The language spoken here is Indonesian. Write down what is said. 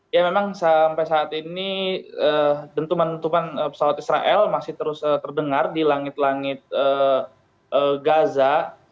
ya memang sampai saat ini dentuman dentuman pesawat israel masih terus terdengar di langit langit gaza